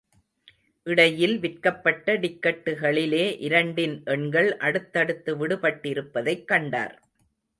இடையில் விற்கப்பட்ட டிக்கட்டுகளிலே இரண்டின் எண்கள் அடுத்தடுத்து விடுபட்டிருப்பதைக் கண்டார்.